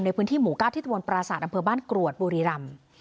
ในพื้นที่หมู่กาทิตวนปราสาทอำเภอบ้านกรวดบริรำ